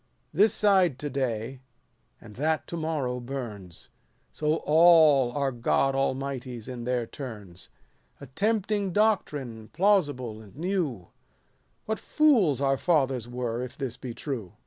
This side to day, and that to morrow burns ; So all are God Almighties in their turns. 110 A tempting doctrine, plausible and new ; What fools our fathers were, if this be true